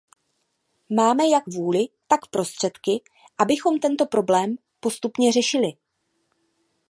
Máme jak vůli, tak prostředky, abychom tento problém postupně řešili.